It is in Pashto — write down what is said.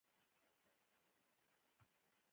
بایسکل د ښوونځي ماشومانو ته ښه ترانسپورتي وسیله ده.